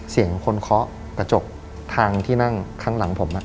เสียงคนเคาะกระจกทางที่นั่งข้างหลังผม